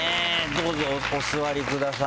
どうぞお座りください。